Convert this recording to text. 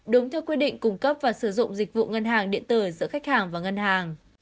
đúng theo quy định cung cấp và sử dụng dịch vụ ngân hàng điện tử giữa khách hàng và ngân hàng